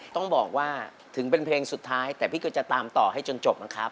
ต้องบอกว่าถึงเป็นเพลงสุดท้ายแต่พี่ก็จะตามต่อให้จนจบนะครับ